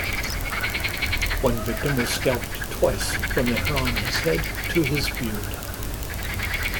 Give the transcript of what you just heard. One victim was scalped twice, from the hair on his head, to his beard.